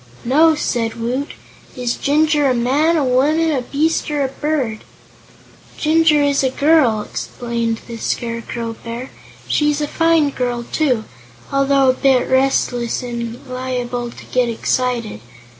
"No," said Woot. "Is Jinjur a man, a woman, a beast or a bird?" "Jinjur is a girl," explained the Scarecrow Bear. "She's a fine girl, too, although a bit restless and liable to get excited.